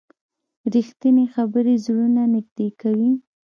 رښتیني خبرې زړونه نږدې کوي.